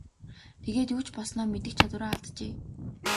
Тэгээд юу ч болсноо мэдэх чадвараа алджээ.